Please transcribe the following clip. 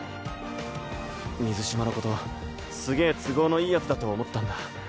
水嶋のことスゲー都合のいい奴だと思ったんだ。